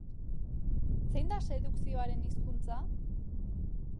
Zein da sedukzioaren hizkuntza?